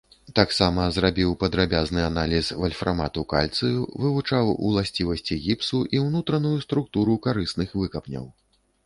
Таксама зрабіў падрабязны аналіз вальфрамату кальцыю, вывучаў ўласцівасці гіпсу і ўнутраную структуру карысных выкапняў.